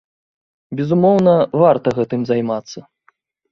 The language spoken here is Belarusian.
Безумоўна, варта гэтым займацца.